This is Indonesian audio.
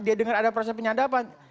dia dengar ada proses penyadapan